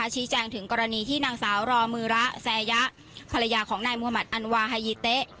ชี้แจงถึงกรณีที่นางสาวรอมือระแซยะภรรยาของนายมุมัติอันวาฮายีเต๊ะ